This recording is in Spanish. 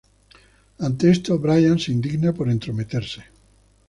Ante esto, Brian se indigna por entrometerse.